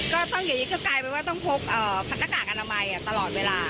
ก็ต้องอยู่ยิ่งไกลไปว่าต้องพกผัดหน้ากากอนามัยตลอดเวลา